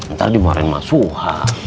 ntar dimarahin mas suha